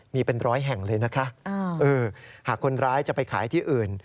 มีเป็นร้อยแห่งเลยนะคะหากคนร้ายจะไปขายที่อื่น